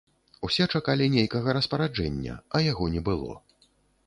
Усе чакалі нейкага распараджэння, а яго не было.